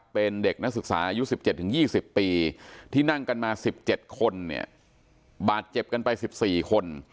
เป็นเด็กนักศึกษาอายุ๑๗๒๐ปีที่นั่งกันมา๑๗คนเนี่ยบาดเจ็บกันไป๑๔คน